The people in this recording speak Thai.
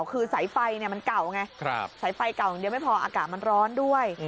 คือสายไฟมันเก่าไงสายไฟเก่าอย่างเดียวไม่พออากาศมันร้อนด้วย